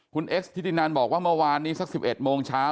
คุณเอสทิตินันบอกว่าเมื่อวานนี้สัก๑๑โมงเช้า